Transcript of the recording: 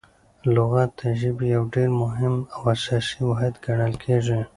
لغت د ژبي یو ډېر مهم او اساسي واحد ګڼل کیږي.